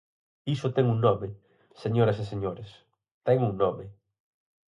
Iso ten un nome, señoras e señores, ten un nome.